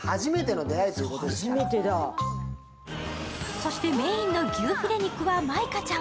そしてメインの牛フィレ肉は舞香ちゃん。